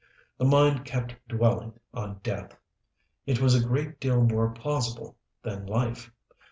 The mind kept dwelling on death. It was a great deal more plausible than life.